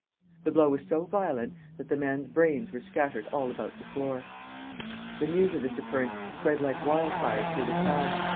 The blow was so violent that the man's brains were scattered all about the floor. The news of this occurrence spread like wildfire through the town.